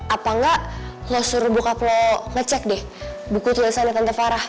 apa enggak lo suruh bokap lo ngecek deh buku tulisan dari tante farah